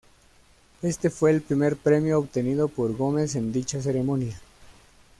Este fue el primer premio obtenido por Gomez en dicha ceremonia.